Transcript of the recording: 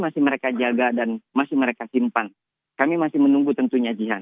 masih mereka jaga dan masih mereka simpan kami masih menunggu tentunya jihan